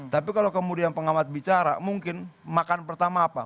tapi kalau kemudian pengamat bicara mungkin makan pertama apa